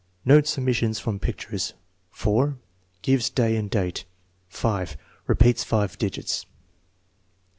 Notts omissions from pictures* 4. (lives day and date. 5. Repeats five digits.